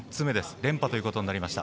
連覇ということになりました。